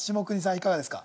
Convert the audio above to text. いかがですか？